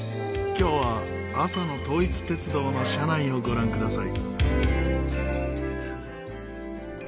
今日は朝の統一鉄道の車内をご覧ください。